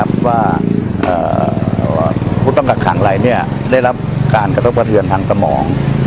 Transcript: ว่าผู้ต้องกักขังอะไรได้รับการกระทบกระเทือนทางสมอง